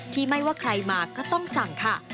ไม่ว่าใครมาก็ต้องสั่งค่ะ